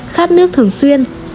hai khát nước thường xuyên